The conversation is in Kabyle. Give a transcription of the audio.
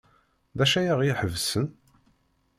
D acu ay aɣ-iḥebsen?